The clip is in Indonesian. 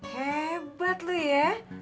hebat lu ya